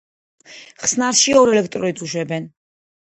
ხსნარში ორ ელექტროდს უშვებენ.